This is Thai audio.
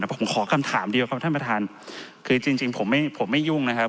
ผมขอคำถามเดียวครับท่านประธานคือจริงผมไม่ผมไม่ยุ่งนะครับ